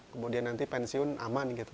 kemudian nanti pensiun aman gitu